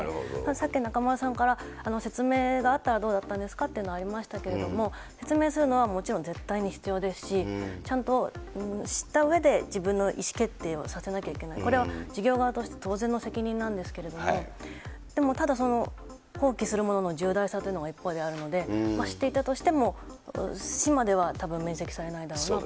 さっき中丸さんから、説明があったらどうだったんですかっていうのありましたけれども、説明するのはもちろん、絶対に必要ですし、ちゃんと知ったうえで自分の意思決定をさせなきゃいけない、これは事業側として当然の責任なんですけれども、でもただその、放棄するものの重大さというのが一方ではあるので、知っていたとしても、死まではたぶん免責されないだろうなと。